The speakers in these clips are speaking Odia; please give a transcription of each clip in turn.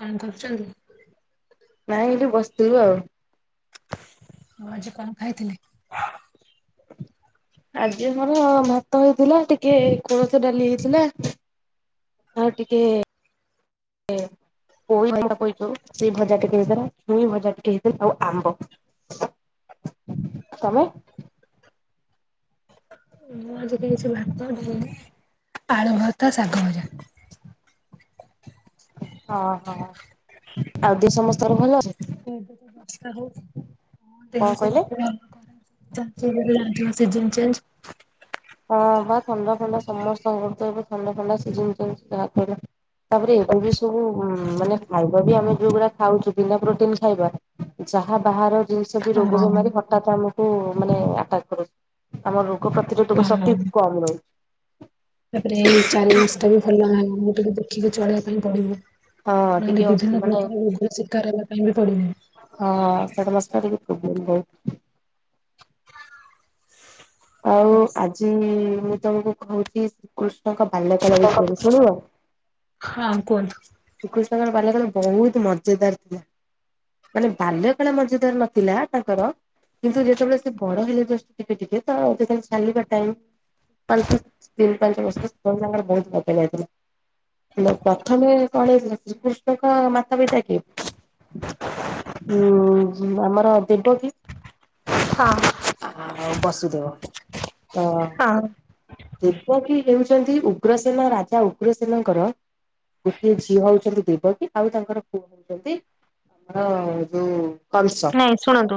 କଣ କରୁଚନ୍ତି? ନାଇଁ ଏଇଠି ବସିଥିଲୁ ଆଉ। ଆଉ ଆଜି କଣ ଖାଇଥିଲେ? ଆଜି ମୋର ଭାତ ହେଇଥିଲା ଟିକିଏ କୋଳଥ ଡ଼ାଲି ହେଇଥିଲା। ଆଉ ଟିକେ ପୋଇ ଭଜା ପୋଇ ଯୋଉ ସେଇ ଭଜା ଟିକେ ହେଇଥିଲା ଛୁଇଁ ଭଜା ଟିକେ ହେଇଥି ଆଉ ଆମ୍ବ। ତମେ? ମୁଁ ଆଜିି ଖାଇଚି ଭାତ, ଡ଼ାଲି, ଆଳୁ ଭର୍ତ୍ତା ଶାଗ ଭଜା। ଓହ ଆଉ ଦି ସମସ୍ତଙ୍କର ଭଲ ଅଛି? ହୁଁ ଯାହଉ କଣ ଦେହ କହିଲେ? ସେମିତି ଭଲ। ତମେ ତ ଏବେ ଯୋଉ ଜାଣିଥିବ ସିଜିନ ଚେଞ୍ଜ। ହଁ ବା ଥଣ୍ଡା ଫଣ୍ଡା ସମସ୍ତଙ୍କ ଘରେ ତ ଏବେ ଥଣ୍ଡା ଫଣ୍ଡା ସିଜିନ ଚେଞ୍ଜ ଯାହାକୁ ହେଲା ତାପରେ ଏକୁ ବି ସବୁ ମାନେ ଖାଇବା ବି ଆମେ ଯୋଉଗୁଡ଼ା ଖାଉଚୁ ବିନା ପ୍ରୋଟିନ ଖାଇବା। ଯାହା ବାହାର ଜିନିଷ ବି ରୋଗ ହଁ। ବେମାରୀ ହଠାତ୍ ଆମକୁ ମାନେ ଆଟାକ୍ କରୁ ଆମ ରୋଗ ପ୍ରତିରୋଧକ ଶକ୍ତି ହଁ କମ ରହୁ ତାପରେ ଏଇ ଚାରି ମାସ ଟା ବି ଭଲ ନାଇଁ ମୁଁ ଟିକେ ଦେଖିକି ଚଳେବା ପାଇଁ ପଡ଼ିବ। ହଁ ଟିକେ ନହେଲେ ଅସୁ ବିଭିନ୍ନ ମାନେ ପ୍ରକାର ରୋଗ ଶିକାର ହେବା ପାଇଁ ବି ପଡ଼ିବ। ହଁ ସେଡ଼ମାସଟା ଟିକେ ପୋବ୍ଲେମ ରହୁ ଆଉ ଆଜି ମୁଁ ତମକୁ କହୁଚି କୃଷ୍ଣଙ୍କ ବାଲ୍ୟ କାଳ ବିଷୟରେ ଶୁଣିଅ? ହଁ କୁହନ୍ତୁ। ଶ୍ରୀକୃଷ୍ଣଙ୍କର ବାଲ୍ୟ କାଳ ବୋହୁତ ମଜେଦାର ଥିଲା। ମାନେ ବାଲ୍ୟ କାଳ ମଜେଦାର ନଥିଲା ତାଙ୍କର କିନ୍ତୁ ଯେତେବେଳେ ସେ ବଡ଼ ହେଲେ ଯଷ୍ଟ ଟିକେ ଟିକେ ତ ଯେତେବେଳେ ଚାଲିବା ଟାଇମ୍ ପାଞ୍ଚ ତିନି ପାଞ୍ଚ ବର୍ଷର ବହୁ [unintelligible] ଯାଇଥିଲା ହେଲେ ପ୍ରଥମେ କଣ ହେଇଥିଲା ଯ କୃଷ୍ଣଙ୍କ ମାତା ପିତା କିଏ? ଉଁ ଆମର ଦେବକି। ହଁ। ଆଉ ବସୁଦେବ ତ ଆଉ ଦେବକି ହେଉଛନ୍ତି ଉଗ୍ରସେନ ରାଜା ଉଗ୍ରସେନ ଙ୍କର ଯ ଝିଅ ହଉଛନ୍ତି ଦେବକୀ ଆଉ ତାଙ୍କର ପୁଅ ହଉଛନ୍ତି ମର ଯୋଉ କଂସ ନାଇଁ ଶୁଣନ୍ତୁ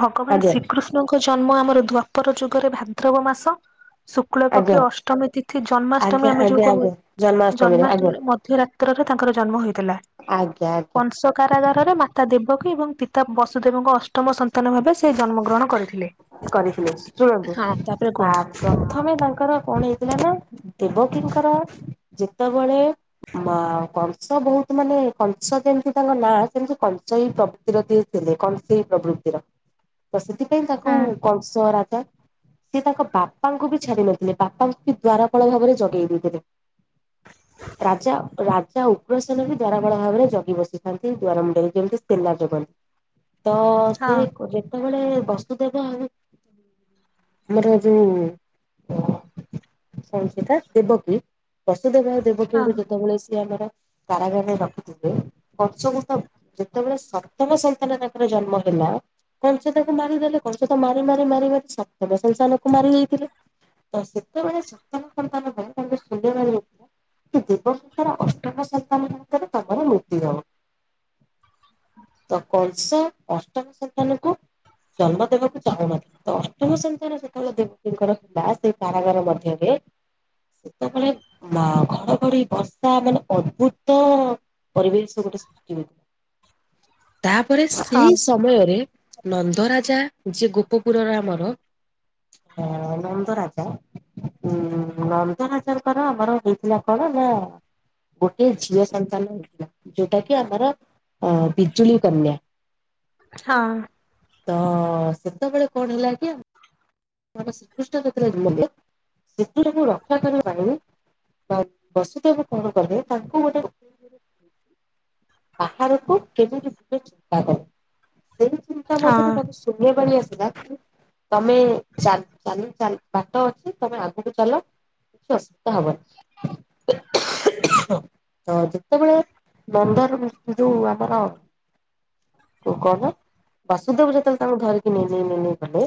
ଭଗବାନ ଆଜ୍ଞା ଶ୍ରୀକୃଷ ନ ଙ୍କ ଜନ୍ମ ଆମର ଦ୍ୱାପର ଯୁଗରେ ଭାଦ୍ରବ ମାସ। ଶୁକ୍ଳ ଆଜ୍ଞା ପକ୍ଷ ଅଷ୍ଟମୀ ତିଥି ଆଜ୍ଞା ଜନ୍ମାଷ୍ଟମୀ ଆମେ ଆଜ୍ଞା ଯୋଉ ଆଜ୍ଞା କହୁ। ଆଜ୍ଞା ଜନ୍ମାଷ୍ଟମୀରେ ମଧ୍ୟରାତ୍ରରେ ତାଙ୍କର ଜନ୍ମ ହୋଇଥିଲା। ଆଜ୍ଞା ଆଜ୍ଞା। କଂସ କାରାଗାରରେ ମାତା ଦେବକୀ ଏବଂ ପିତା ବସୁଦେବଙ୍କ ଅଷ୍ଟମ ସନ୍ତାନ ଭାବେ ସେ ଜନ୍ମଗ୍ରହଣ କରିଥିଲେ। କରିଥିଲେ ଶୁଣନ୍ତୁ ତାପରେ ବା କୁହନ୍ତୁ। ପ୍ରଥମେ ତାଙ୍କର କଣ ହେଇଥିଲା ନା ଦେବକୀଙ୍କର ଯେତବେଳେ ମା କଂସ ବହୁତ ମାନେ କଂସ ଯେମିତି ତାଙ୍କ ନାଁ ସେମିତି କଂସ ହି ପ୍ରଭୃତିର ଦିଏ ଥିଲେ କଣସ ପ୍ରଭୃତିର ତ ସେଥିପାଇଁ ତାକୁ ହଁ କଂସ ରାଜା। ସେ ତାଙ୍କ ବାପାଙ୍କୁ ବି ଛାଡି ନଥିଲେ ବାପାଙ୍କୁ ବି ଦ୍ଵାରପାଳ ଭାବରେ ଜୋଗେଇ ଦେଇଥିଲେ। [unintelligible] ରାଜା ରାଜା ଉଗ୍ରସେନ ବି ଦ୍ୱାରାବଳ ଭାବରେ ଜଗି ବସିଥାନ୍ତି ଦ୍ୱାର ମୁଣ୍ଡରେ ଯେମିତି ସେନା ଜଗନ୍ତୀ। ତ ହଁ ସେ ଯେତେବେଳେ ବସ୍ତୁ ଦେବା ଆ ଆମର ଯୋଉଁ ଅ କଣ ସେଟା ଦେବକି ବସୁଦେଭ ଦେବକୀ ହଁ ଙ୍କୁ ଯେତେବେଳେ ସିଏ ଆମର କାରାଗାରରେ ରଖିଥିଲେ। କଂସକୁ ତ ଯେତେବେଳେ ସପ୍ତମ ସନ୍ତାନ ତାଙ୍କର ଜନ୍ମ ହେଲା, କଂସ ତାକୁ ମାରିଦେଲେ। କଂସ ତ ମାରି ମାରି ମାରି ମାରି ସପ୍ତମ ସନ୍ତାନ କୁ ମାରି ଦେଇଥିଲେ। ତ ସେତେବେଳେ ସନ୍ତାନ ସନ୍ତାନ [inaudible] ଦେବସତର ଅଷ୍ଟମ ସନ୍ତାନ ହାତରେ ତମର ମୃତ୍ୟୁ ହବ। ତ କଂସ ଅଷ୍ଟମ ସନ୍ତାନକୁ ଜନ୍ମ ଦେବାକୁ ଚାହୁଁନଥିଲେ, ତ ଅଷ୍ଟମ ସନ୍ତାନ ଯେତେବେଳେ ଦେବତୀଙ୍କର ଥିଲା ସେଇ କାରାଗାର ମଧ୍ୟରେ। ସେତେବେଳେ ଘଡଘଡି ବର୍ଷା ମାନେ ଅଦ୍ଭୁତ। ପରିବେଶ ଗୋଟେ ସୃଷ୍ଟି ହୋଇ ତାପରେ ହଁ ସେଇ ସମୟରେ ନନ୍ଦରାଜା ଯିଏ ଗୋପପୁରର ଆମର। ଅଁ -ଅନନ୍ଦ ରାଜା। ହୁଁ, ନନ୍ଦରାଜାଙ୍କର ଆମର ଦେଇଥିଲା କଣ ନାଁ ଗୋଟେ ଝିଅ ସନ୍ତାନ ହୋଇଥିଲା, ଯୋଉଁଟା କି ଆମର ଅଁ ବିଜୁଳି କନ୍ୟା। ହଁ। ତ ସେତେବେଳେ କଣ ହେଲା କି ଆ ଆମେ ଶ୍ରୀକୃଷ୍ଣ ଯେତେବେଳେ ଜନ୍ମହେଲେ ସେତେବେଳେ ତାଙ୍କୁ ରକ୍ଷା କରିବା ପାଇଁ ବା ବସୁଦେବ କଣ କଲେ ତାଙ୍କୁ ଗୋଟେ ବାହାରକୁ କେବେଭି ଚିନ୍ତା କର ସେଇ ଚିନ୍ତା ହଁ ମଧ୍ୟରେ କଂ ଶୂନ୍ୟ ବାଣି ଆସିଥିଲା। ତମେ ଚା-ଚା-ଚା-ଚାଲ ବାଟ ଅଛି, ତମେ ଆଗକୁ ଚାଲ। କିଛି ଅସୁବିଧା ହବନି। [inaudible] ଯୋଉଁ ଆମର କହନ ବାସୁଦେବ ଯେତେବେଳେ ତାଙ୍କୁ ଧରିକି ନେ- ନେଇ- ନେଇ ଗଲେ।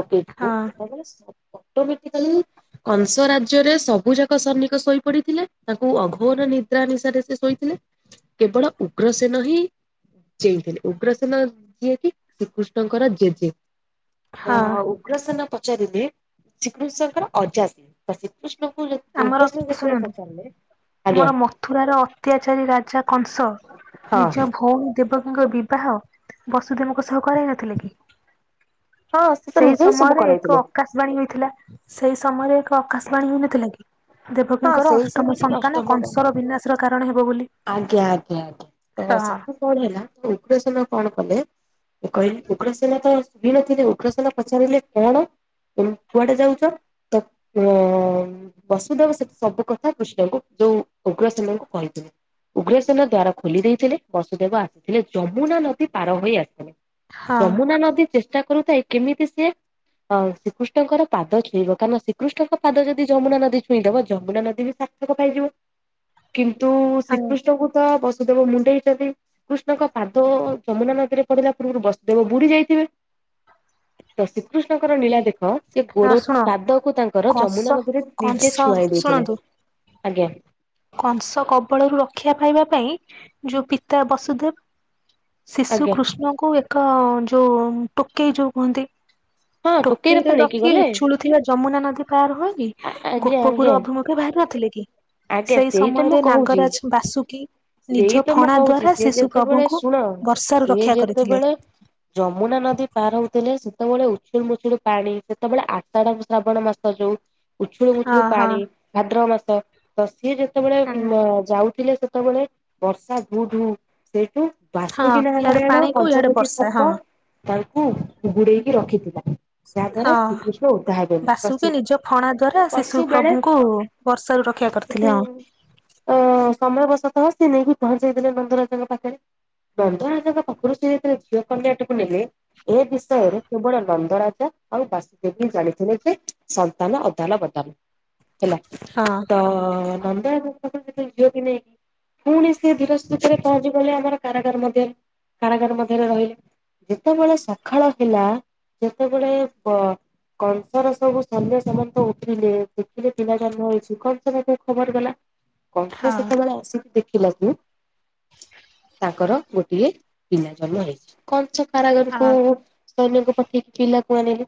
ଟୋକେଇକୁ ହଁ ସେତେବେଳେ ଅଟୋମେଟିକାଲି କଂଶ ରାଜ୍ୟରେ ସବୁଯାକ ସୈନିକ ଶୋଇପଡିଥିଲେ, ତାଙ୍କୁ ଅଘୋର ନିଦ୍ରା ନିଶାରେ ସେ ଶୋଇଥିଲେ। କେବଳ ଉଗ୍ରସେନ ହିଁ ଚେଇଁଥିଲେ, ଉଗ୍ରସେନ ଯିଏକ ଶ୍ରୀକୃଷ୍ଣଙ୍କର ଜେଜେ। ହଁ ଅ ଉଗ୍ରସନ ପଚାରିଲେ ଶ୍ରୀକୃଷ୍ଣଙ୍କର ଅଜା ସେ ବା ଶ୍ରୀକୃଷ୍ଣଙ୍କୁ ଯେ ଆମର ଉଗ୍ରସେନ ଯେତେବେଳେ ଶୁଣନ୍ତୁ ପଚାରିଲେ, ଆମର ଆଜ୍ଞା। ମଥୁରାର ଅତ୍ୟାଚାରୀ ରାଜା କଂସ ହଁ ନିଜ ଭଉଣୀ ଦେବକୀଙ୍କ ବିବାହ ବସୁଦେବଙ୍କ ସହ କରେଇ ନଥିଲେ କି? ହଁ ସେ ତ ସେଇ ନିଜେ ହିଁ ସବୁ ସମୟରେ ଏକ କରାଇଥିଲେ ଅକାଶ୍ ବାଣୀ ହୋଇଥିଲା, ସେଇ ସମୟରେ ଏକ ଆକାଶବାଣୀ ହୋଇନଥିଲା କି? ହଁ ଦେବକୀଙ୍କର ସେଇ ଅଷ୍ଟମ ସମୟରେ ସନ୍ତାନ ଅଷ୍ଟମ କଂସର ବିନାଶର କାରଣ ହେବ ବୋଲି। ଆଜ୍ଞା -ଆଜ୍ଞା -ଆଜ୍ଞା, ତ ହଁ ସେଥି କଣ ହେଲା ଉଗ୍ରସେନ କଣ କଲେ? କହି ଉଗ୍ରସେନ ତ ଶୋଇନଥିଲେ, ଉଗ୍ରସେନ ପଚାରିଲେ କଣ? ତମେ କୁଆଡେ ଯାଉଛ? ତମ ବସୁଧେବ ସେ ସବୁ କଥା କୃଷ୍ଣଙ୍କୁ ଯୋଉ ଉଗ୍ରସେନ ଙ୍କୁ କହିଥିଲେ। ଉଗ୍ରସେନ ଦ୍ଵାର ଖୋଲି ଦେଇଥିଲେ, ବସୁଦେବ ଆସିଥିଲେ ଯମୁନା ନଦୀ ପାର ହୋଇ ଆସିଥିଲେ। ହଁ ଯମୁନା ନଦୀ ଚେଷ୍ଟା କରୁଥାଏ, କେମିତି ସିଏ ହଁ ଶ୍ରୀକୃଷ୍ଣଙ୍କର ପାଦ ଛୁଇଁବ, କାରଣ ଶ୍ରୀୃଷ୍ଣଙ୍କ ପାଦ ଯଦି ଯମୁନା ନଦୀ ଛୁଇଁଦବ ଯମୁନା ନଦୀ ବି ପା ପାଦ ତ ଖାଇଯିବ କିନ୍ତୁ ହଁ ଶ୍ରୀକୃଷ୍ଣଙ୍କୁ ତ ବସୁଦେବ ମୁଣ୍ଡେଇ ଛନ୍ତି ଶ୍ରୀ କୃଷ୍ଣଙ୍କ ପାଦ ଯମୁନା ନଦୀରେ ପଡିଲା ପୂର୍ବରୁ ବସୁଦେବ ବୁଡି ଯାଇଥିବେ? ତ ଶ୍ରୀକୃଷ୍ଣଙ୍କର ନୀଳା ଦେଖ? ସେ ହଁ ଗୋଡ ଶୁଣ ପାଦକୁ ତାଙ୍କର କଂସ ଯମୁନା ନଦୀରେ ନିଜେ କଂସ ଛୁଆଇ ଦେଇଥିଲେ, ଶୁଣନ୍ତୁ ଆଜ୍ଞା। କଂସ କବଳରୁ ରକ୍ଷା ପାଇବା ପାଇଁ ଯୋଉ ପିତା ବସୁଦେବ ଶିଶୁ ଆଜ୍ଞା କୃଷ୍ଣଙ୍କୁ ଏକ ଯୋଉ ଟୋକେଇ ଯୋଉ କୁହନ୍ତି। ହଁ ଟୋକେଇରେ ପା ନେଇକି ରଖି ଗଲେ ଉଝୁଳୁଥିବା ଯମୁନା ନଦୀ ପାର ହୋଇକି। ଆ ଆଜ୍ଞା ଆଜ୍ଞା ଗୋପପୁର ଅଭିମୁଖେ ବାହାରି ନଥିଲେ କି? ଆଜ୍ଞା ସେଇ ସେଇଟା ମୁଁ ସମୟରେ କହୁଛି। ନାଗରାଜ ବାସୁକି ସେଇ ନିଜ ତ ମୁଁ ଫଣା କହୁଛି ଦ୍ଵାରା ସିଏ ଶିଶୁ ଯେତେବେଳେ ପ୍ରଭୁଙ୍କୁ ଶୁଣ, ବର୍ଷାରୁ ସିଏ ରକ୍ଷା କରିଥିଲେ। ଯେତେବେଳେ ଯମୁନା ନଦୀ ପାର ହଉଥିଲେ ସେତେବେଳୁ। ଉଛୁଳ ମୁଛୁଳୁ ପାଣି ସେତେବେଳେ ଆଷାଢ ଶ୍ରାବଣ ମାସ ଯୋଉ ଉଛୁଳୁ ହଁ ମୁଛୁଳୁ ହଁ ପାଣି। ଭାଦ୍ରବ ମାସ ତ ସିଏ ଯେତେବେଳେ ହଁ ମ ଯାଉଥିଲେ ସେତେବେଳେ ବର୍ଷା ଟୁ ଟୁ ସେଇଠୁ ହଁ ବାସୁକୀ ଇଆଡେ ନାରାୟଣ ପାଣି କୁ ଇଆଡେ ପଞ୍ଚମୁଖୀ ବର୍ଷା ହଁ ସର୍ପ ତାଙ୍କୁ ଘୁଡେଇକି ରଖିଥିଲା। ଯାହା ହଁ ଦ୍ଵାରା ଶ୍ରୀକୃଷ୍ଣ ଓଦା ହେବେନି ତ ସେ ବାସୁକି ନିଜ ଫଣା ଦ୍ଵାରା କହିଲେ ଶିଶୁ ପ୍ରଭୁଙ୍କୁ ବର୍ଷା ରୁ ରକ୍ଷା କରିଥିଲେ ଆଉ। ତ ସମୟବଶତଃ ସେ ନେଇକି ପହଞ୍ଚେଇଦେଲେ ନନ୍ଦରାଜାଙ୍କ ପାଖରେ। ନନ୍ଦରାଜାଙ୍କ ପାଖରୁ ସେ ଯେତେ ବେଳେ ଝିଅ କନ୍ୟାଟିକୁ ନେଲେ ଏ ବିଷୟରେ କେବଳ ନନ୍ଦ ନନ୍ଦ ରାଜା ଆଉ ବାସୁଦେବୀ ଜାଣିଥିଲେ ଯେ ସନ୍ତାନ ଅଦାଲ ବଦାଲ ହେଲା। ହଁ। ଅ ନନ୍ଦରାଜାଙ୍କ ପାଖରୁ ଯେତେବେଳେ ସେ ଝିଅଟି ନେଇକି ପୁଣି ସେ ଧିର ସ୍ତିତରେ ପହଞ୍ଚି ଗଲେ ଆମର କାରାଗାର ମଧ୍ୟରେ କାରାଗାର ମଧ୍ୟରେ ରହିଲୁ। ଯେତେବେଳେ ସଖାଳ ହେଲା ଯେତେବେଳେ ବ କଂସର ସବୁ ସନ୍ୟ ସାମନ୍ତ ଉଠିଲେ ଦେଖିଲେ ପିଲା ଜନ୍ମ ହେଇଛି କଂସ ପାଖକୁ ଖବର ଗଲା। ହଁ କଂସ ସେତେବେଳେ ଆସିକି ଦେଖିଲା କି ତାଙ୍କର ଗୋଟିଏ ପିଲା ଜନ୍ମ ହେଇଛି, କଣଚା କାରାଗରକୁ ହଁ ସୈନ୍ୟକୁ ପଠେଇକି ପିଲାକୁ ଆଣିଲେ।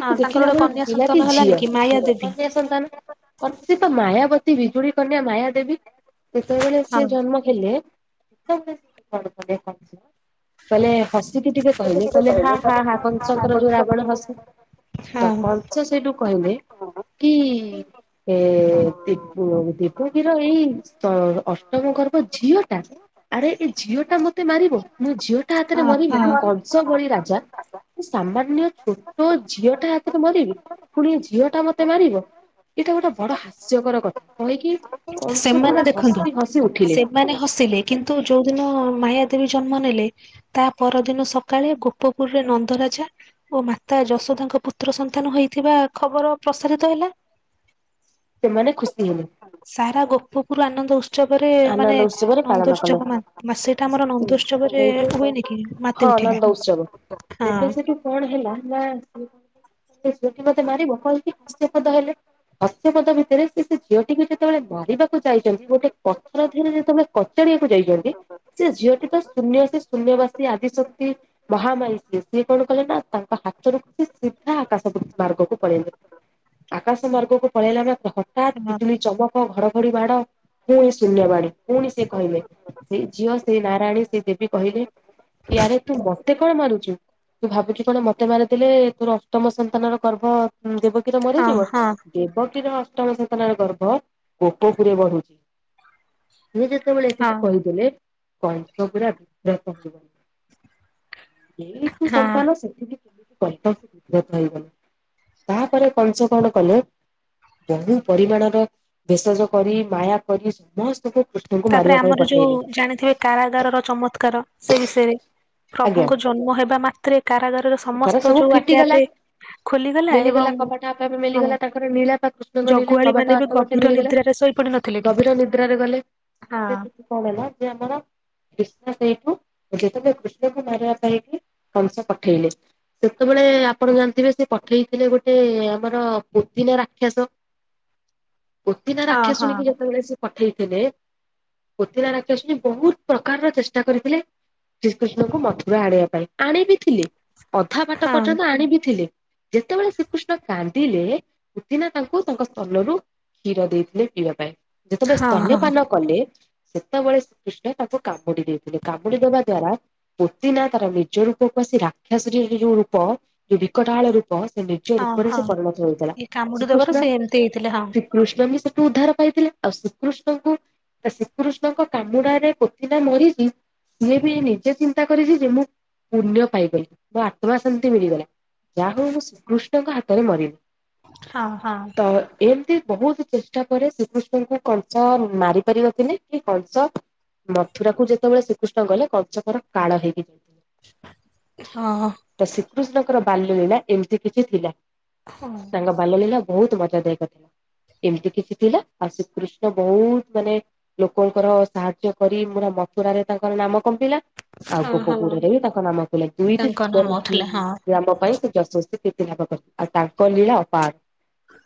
ହଁ ତାଙ୍କର ଦେଖିଲା ଗୋଟେ ବେଳକୁ କନ୍ୟା ସନ୍ତାନ ପିଲାଟି ହେଲାନି ଝିଅ କି ମାୟା ଦେବୀ କନ୍ୟା ସନ୍ତାନ? କଂସି ତ ମାୟାବତୀ ବିଜୁଳି କନ୍ୟା ମାୟା ଦେବୀ ଯେତେବେଳେ ହଁ ସିଏ ଜନ୍ମ। ହେଲେ ଶେଷ [inaudible] କଂସ। କହିଲେ ହସିକି ଟିକେ କହିଲି କହିଲେ ହାଁ ହାଁ ହାଁ କହିଲି। ଶଙ୍କର ଯୋଉ ରାବଣ ହସ ତ ହଁ କଂଶ ସେଇଠୁ କହିଲେ। କି [unintelligible] ଏ ଦିପୁ ଦିପୁ କିର ଏଇ ତ ଅଷ୍ଟମ ଗର୍ବ ଝିଅ ଟା ଆରେ ଏ ଝିଅ ଟା ମତେ ମାରିବ ମୋ ଝିଅ ଟା ହାତରେ ହଁ ମରବି ମୁଁ ହଁ। କଂସ ଭଳି ରାଜା। ସାମାନ୍ୟ ଛୋଟ ଝିଅଟା ହାତରେ ମରିବି, ପୁଣି ଏ ଝିଅ ଟା ମତେ ମାରିବ। ଏଇଟା ଗୋଟେ ବଡ ହାସ୍ୟକର କଥା ନୁହେଁକି। ସେମାନେ ଦେଖନ୍ତୁ ସେମାନେ ହସିଲେ। କିନ୍ତୁ ଯୋଉଦିନ ମାୟା ଦେବୀ ଜନ୍ମ ନେଲେ। ତା ପରଦିନ ସକାଳେ ଗୋପପୁରରେ ନନ୍ଦରାଜା ଓ ମାତା ଯଶୋଦାଙ୍କ ପୁତ୍ର ସନ୍ତାନ ହୋଇଥିବା ଖବର ପ୍ରସାରିତ ହେଲା ସେମାନେ ଖୁସି ହେଲେ। ସାରା ଗୋପପୁର ଆନନ୍ଦ ଉସ୍‌ ଉତ୍ସବରେ ମାନେ ଆନନ୍ଦ ଉତ୍ସବରେ ପାଳନ କଲେ ନନ୍ଦୋଉତ୍ସବନ ମା ମାସେଟା ଆମର ନନ୍ଦୋ ଉତ୍ସବରେ ସେଇଠି ହୁଏନି କି ମା ହଁ ନନ୍ଦ ଉତ୍ସବ ତେବେ ସେଠୁ କଣ ହେଲା ନା ସେ କଣ କହିଲେ? [unintelligible] ସେଠି ମତେ ମାରିବ କହିକି ହସ୍ୟପଦ ହେଲେ। ହସ୍ୟ ପଦ ଭିତରେ ସେ ସେଇ ଝିଅଟିକୁ ଯେତେବେଳେ ମରିବାକୁ ଯାଇଛନ୍ତି ଗୋଟେ ପଥର ଧୀରେ ଯେତେ ବେଳେ କଚାଡିବାକୁ ଯାଇଛନ୍ତି ସେ ଝିଅଟି ତ ଶୂନ୍ୟ ସେ ଶୂନ୍ୟ ବାସ ସିଏ ଆଦିଶକ୍ତି ମହାମାଇ ସିଏ ସିଏ କଣ କଲେ ନା ତାଙ୍କ ହାତରୁ ଖସି ସିଧା ଆକାଶ ବୃଦ୍ ମାର୍ଗକୁ ପଳେଇଲେ। ଆକାଶ ମାର୍ଗକୁ ପଳେଇଲା ମାତ୍ରେ ହଠାତ୍ ହଁ ବିଜୁଳି ଚମକ ଘଡଘଡି ବାଡ଼ ହୁଏ ଶୂନ୍ୟ ବାଡି। ପୁଣି ସେ କହିଲେ ସେଇ ଝିଅ ସେ ନାରାୟଣୀ ସେ ଦେବୀ କହିଲେ ୟାରେ ତୁ ମତେ କଣ ମାରୁଛୁ ତୁ ଭାବୁଛୁ କଣ ମତେ ମାରି ଥିଲେ ତୋର ଅଷ୍ଟମ ସନ୍ତାନ ର ଗର୍ଭ ଦେବଗୀର ମରିଯିବ? ହଁ ଦେବକୀର ଅଷ୍ଟମ ସନ୍ତାନ ର ଗର୍ଭ ଗୋପପୁରେ ବଢୁଛି। ସେ ଯେତେବେଳେ ହଁ ସେଠି କହିଦେଲେ କଂସ ପୁରା ବିବ୍ରତ ହେଇଗଲା। ଯଇଠୁ ହଁ। ସନ୍ତାନ ସେଠ ବି କେମିତି କଥା ସେ ବିବ୍ରତ ହେଇଗଲେ। ତାପରେ କଂସ କଣ କଲେ ବହୁ ପରିମାଣର ଭେଷଜ କରି ମାୟା କରି ସମସ୍ତଙ୍କୁ କୃଷ୍ଣଙ୍କୁ ତାପରେ ମାରିବା ପାଇଁ ଆମର ଯୋଉ ପଠେଇଲେ। ଜାଣିଥିବେ କାରାଗାର ର ଚମତ୍କାର ସେ ବିଷୟରେ? ଆଜ୍ଞା। ପ୍ରଭୁଙ୍କ ଜନ୍ମ ହେବା ମାତ୍ରେ କାରାଗାରରେ ସମସ୍ତ ଯୋଉ ଆପେ ଆପେ ଖୋଲିଗଲା ମଲିଗଲା ଏବଂ କବାଟ ଆପେ ଆପେ ହଁ ମଲିଗଲା ତାଙ୍କର ନୀଲା ବା କୃଷ୍ଣଙ୍କ ନୀଲା ଜଗୁଆଳି କବାଟ ମାନେ ବି ଅଟୋମେଟିକ ଗଭୀର ମିଳିଗଲା। ନିଦ୍ରାରେ ଶୋଇପଡି ନଥିଲେ କି? ଗଭୀର ନିଦ୍ରାରେ ଗଲେ ହଁ ତାପରୁ ସେଠୁ କଣ ହେଲା ଯେ ଆମର କ୍ରିଷ୍ ସେଇଠୁ ଯେତେବେଳେ କୃଷ୍ଣକୁ ମାରିବା ପାଇଁକ କଂସ ପଠେଇଲେ। ସେତେବେଳେ ଆପଣ ଜାଣିଥିବେ ସେ ପଠେଇଥିଲେ ଗୋଟେ ଆମର ପୋତିନା ରାକ୍ଷାସ ପୁତିନା ହଁ ହଁ। ରାକ୍ଷଷଶୁଣିକି ଯେତେବେଳେ ସେ ପଠେଇଥିଲେ ପୁତିନା ରାକ୍ଷେଶଣୀ ବହୁତ ପ୍ରକାରର ଚେଷ୍ଟା କରିଥିଲେ ଶ୍ରୀକୃଷ୍ଣଙ୍କୁ ମଥୁର ଆଣେଇବା ପାଇଁ ଆଣିବି ଥିଲେ ଅଧା ହଁ ବାଟ ପର୍ଯ୍ୟନ୍ତ ଆଣିବି ଥିଲେ ଯେତେବେଳେ ଶ୍ରୀକୃଷ୍ଣ କାନ୍ଦିଲେ ପୁତିନା ତାଙ୍କୁ ତାଙ୍କ ସ୍ତନରୁ କ୍ଷୀର ଦେଇଥିଲେ ପିଇବା ପାଇଁ ଯେତେବେଳେ ହଁ ସ୍ତନ୍ୟ ହଁ। ପାନ କଲେ ସେତେବେଳେ ଶ୍ରୀକୃଷ୍ଣ ତାଙ୍କୁ କାମୁଡି ଦେଇଥିଲେ କାମୁଡି ଦେବା ଦ୍ଵାରା ପୁତିନା ତାର ନିଜ ରୂପ କ ଆସି ରାକ୍ଷସରୀରେ ଯୋଉ ରୂପ ଯୋଉ ବିକଟାଳ ରୂପ ସେ ନେ ଯୋଉ ହଁ ରୂପରେ ହଁ ସେ ପରିଣତ ହେଉଥିଲା ଏ କାମୁଡି ଦବାରୁ ଶ୍ରୀକୃଷ୍ଣ ସେ ଏମିତି ହେଇଥିଲେ ହଁ ଶ୍ରୀକୃଷ୍ଣ ହିଁ ସେଠୁ ଉଦ୍ଧାର ପାଇଥିଲା ଆଉ ଶ୍ରୀକୃଷ୍ଣଙ୍କୁ ଶ୍ରୀକୃଷ୍ଣଙ୍କ କାମୁଡାରେ ପୋତିନା ମରିଛି ସିଏ ବି ନିଜେ ଚିନ୍ତା କରିଛି ଯେ ମୁଁ ପୁଣ୍ୟ ପାଇଗଲି ମୋ ଆତ୍ମା ଶାନ୍ତି ମିଳିଗଲା। ଯାହା ହଉ ମୁଁ ଶ୍ରୀକୃଷ୍ଣଙ୍କ ହାତରେ ମରିଲି। ହଁ ହଁ। ତ ଏମିତି ବହୁତ ଚେଷ୍ଟା କରେ ଶ୍ରୀ କୃ ଷ୍ଣଙ୍କୁ କଂସ ମାରି ପାରିନଥିଲେ କି କଂସ ମଥୁରା କୁ ଯେତେବେଳେ ଶ୍ରୀକୃଷ୍ଣ ଗଲେ କଞ୍ଚକର କାଳ ହେଇକି ଯାଇଥି ହଁ। ତ ଶ୍ରୀକୃଷ୍ଣଙ୍କର ବାଲ୍ୟ ଲୀଳା ଏମିତି କିଛି ଥିଲା ହଁ ତାଙ୍କ ବାଲ୍ୟ ଲୀଳା ବହୁତ ମଜା ଦାୟକ ଥିଲା ଏମିତି କିଛି ଥିଲା ଆ ଶ୍ରୀକୃଷ୍ଣ ବହୁତ ମାନେ ଲୋକଙ୍କର ସାହାଯ୍ୟ କରି ମୁରା ମଥୁର ରେ ତାଙ୍କର ନାମ କମ୍ପିଲା। ଆଉ ହଁ ଗୋପ ହଁ ପୋରରେ ବି ତାଙ୍କ ନାମକୁ ତାଙ୍କ [unintelligible] ନାମ ଥିଲା ହଁ ଗ୍ରାମ ପାଇଁ ସେ ଯଶସ୍ୱୀ କୀର୍ତି ଲାଭ କଲେ ଆଉ ତାଙ୍କ ଲୀଳା ଅପାର।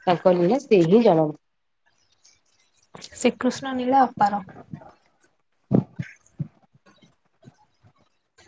ତାଙ୍କ ନୀଳା ସେ ହିଁ ଯାଣନ୍ତି। ସେ କୃଷ୍ଣ ନୀଳ ଅପାର।